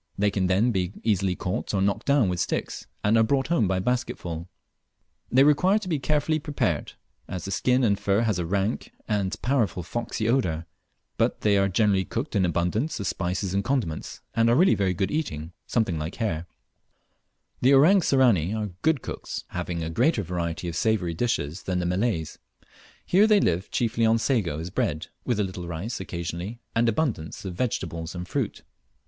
They can then be easily caught or knocked down with sticks, and are brought home by basketsfull. They require to be carefully prepared, as the skin and fur has a rank end powerful foxy odour; but they are generally cooked with abundance of spices and condiments, and are really very good eating, something like hare. The Orang Sirani are good cooks, having a much greater variety of savoury dishes than the Malays. Here, they live chiefly on sago as bread, with a little rice occasionally, and abundance of vegetables and fruit.